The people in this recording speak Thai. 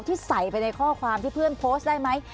ที่ใส่ไปในข้อความที่เพื่อนโพสต์ได้ไหม